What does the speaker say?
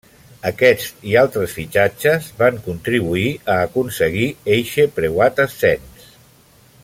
Aquest i altres fitxatges van contribuir a aconseguir eixe preuat ascens.